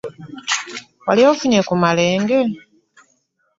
Wali ofuye ku malenge?